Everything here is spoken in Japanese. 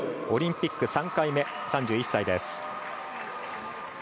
オリンピック３回目、３１歳です。